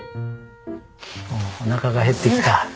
おなかが減ってきた。